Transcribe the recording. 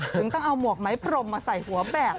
ถึงต้องเอาหมวกไม้พรมมาใส่หัวแบบ